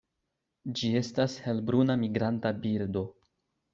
Ĝi estas helbruna migranta birdo.